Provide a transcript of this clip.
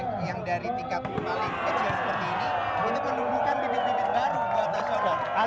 untuk menunggukan bibit bibit baru buat nasional